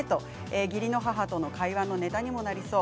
義理の母との会話のネタにもなりそう。